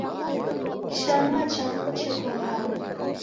kishanua chapo cheko hao?